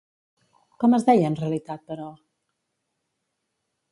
Com es deia en realitat, però?